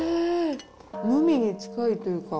無味に近いというか。